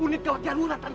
unit gawat jarur tante